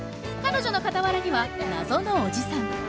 彼女の傍らには謎のおじさん。